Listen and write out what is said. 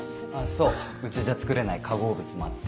そううちじゃ作れない化合物もあって。